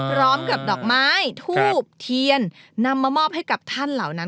พร้อมกับดอกไม้ทูปเทียนนำมามอบให้ท่านเหล่านั้น